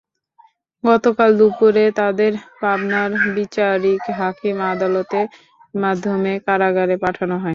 গতকাল দুপুরে তাঁদের পাবনার বিচারিক হাকিম আদালতের মাধ্যমে কারাগারে পাঠানো হয়।